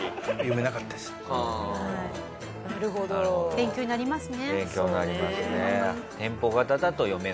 勉強になりますね。